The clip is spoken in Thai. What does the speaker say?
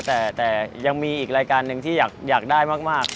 แต่ยังมีอีกรายการหนึ่งที่อยากได้มาก